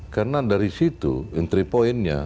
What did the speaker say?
karena dari situ entry point nya